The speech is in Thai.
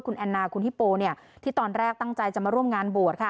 คุณแอนนาคุณฮิโปที่ตอนแรกตั้งใจจะมาร่วมงานบวชค่ะ